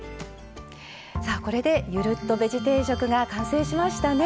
これで、ゆるっとベジ定食が完成しましたね。